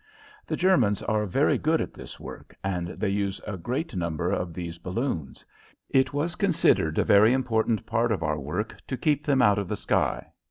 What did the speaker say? The Germans are very good at this work and they use a great number of these balloons. It was considered a very important part of our work to keep them out of the sky.